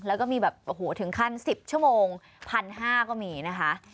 แล้วก็มีแบบโอ้โหถึงขั้น๑๐ชั่วโมง๑๕๐๐ก็มีนะคะ